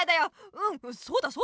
うんそうだそうだ。